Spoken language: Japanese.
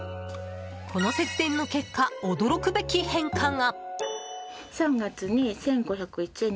この節電の結果、驚くべき変化が。